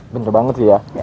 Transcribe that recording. bener banget sih ya